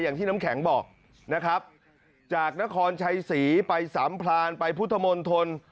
อย่างที่น้ำแข็งบอกนะครับจากนครชัยศรีไปสำพลานไปพุทธมนตร